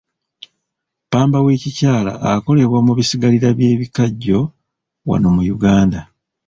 Ppamba w'ekikyala akolebwa mu bisigalira by'ebikajjo wano mu Uganda.